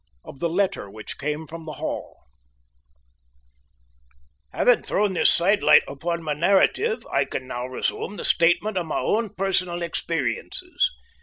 OF THE LETTER WHICH CAME FROM THE HALL Having thrown this side light upon my narrative, I can now resume the statement of my own personal experiences.